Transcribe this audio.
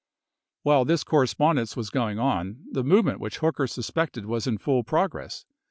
While this correspondence was going on, the movement which Hooker suspected was in full progress.